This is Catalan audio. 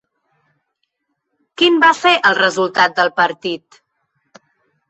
Quin va ser el resultat del partit?